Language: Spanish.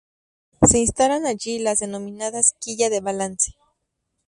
Se instalan allí las denominadas Quilla de balance.